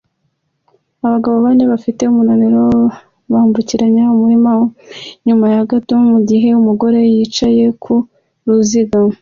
Abagabo bane bafite umunaniro bambukiranya umurima wumye inyuma ya Gator mugihe umugore yicaye ku ruziga